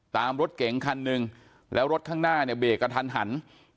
ตามรถเก๋งคันหนึ่งแล้วรถข้างหน้าเบรกก็ทัน